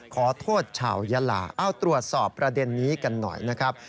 ขอโทษชาวยาลาเอาตรวจสอบประเด็นนี้กันหน่อยนะครับ